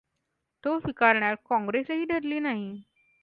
तो स्वीकारण्यास काँग्रेसही धजली नाही.